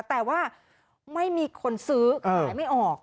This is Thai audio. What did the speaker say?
แต่ว่าไม่มีคนซื้อขายไม่ออก